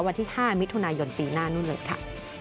วันที่๕มิถุนายนปีหน้านู่นเลยค่ะ